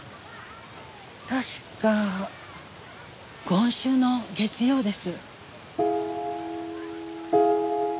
確か今週の月曜です。